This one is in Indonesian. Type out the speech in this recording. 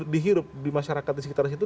dihirup di masyarakat di sekitar situ